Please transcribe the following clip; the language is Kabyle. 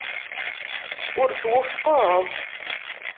Ur twufqeḍ?